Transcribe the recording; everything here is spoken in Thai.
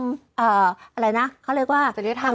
อะไรนะเขาเรียกว่า